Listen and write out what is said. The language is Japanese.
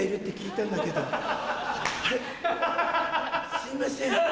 すいません。